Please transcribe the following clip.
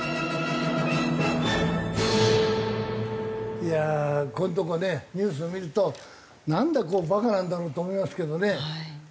いやあここのとこねニュースを見るとなんでこうバカなんだろうと思いますけどね。